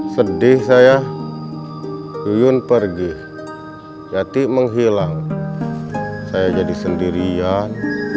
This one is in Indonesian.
sedih saya yuyun pergi jati menghilang saya jadi sendirian